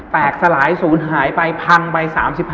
แตกสลายสูญหายไปพังไป๓๕